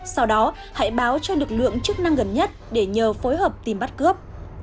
sau đó hãy báo cho lực lượng chức năng gần nhất để nhờ phối hợp tìm bắt cướp